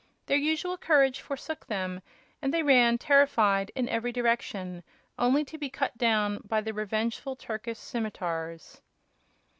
Their usual courage forsook them, and they ran, terrified, in every direction, only to be cut down by the revengeful Turkish simitars.